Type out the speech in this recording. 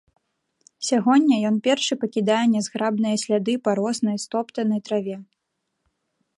Сягоння ён першы пакідае нязграбныя сляды па роснай стоптанай траве.